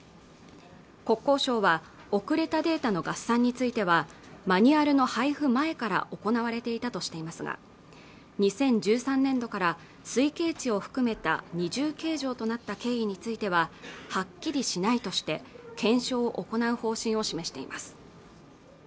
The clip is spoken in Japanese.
国交省は遅れたデータの合算についてはマニュアルの配布前から行われていたとしていますが２０１３年度から推計値を含めた二重計上となった経緯についてははっきりしないとして検証を行う方針を示しています